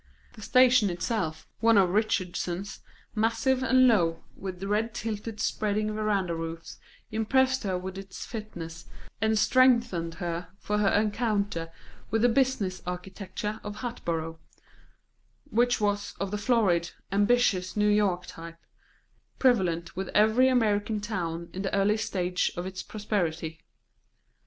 The station itself, one of Richardson's, massive and low, with red tiled, spreading veranda roofs, impressed her with its fitness, and strengthened her for her encounter with the business architecture of Hatboro', which was of the florid, ambitious New York type, prevalent with every American town in the early stages of its prosperity.